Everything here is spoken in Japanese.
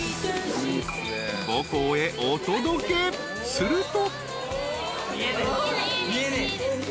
［すると］